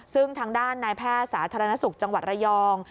ซึ่งทางด้านนายแพทย์สาธารณสุขจังหวัดระยอง